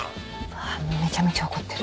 うわぁめちゃめちゃ怒ってる。